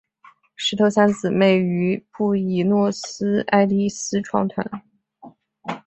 石头三姊妹于布宜诺斯艾利斯创团。